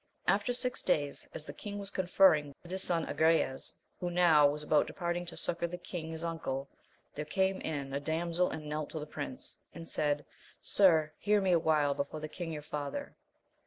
After six days, as the king was conferring with his son Agrayes, who now was about departing to succour the king his uncle, there came in a damsel and knelt to the prince, and said, Sir, hear me a while before the king your father.